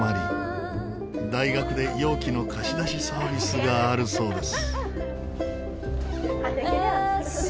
大学で容器の貸し出しサービスがあるそうです。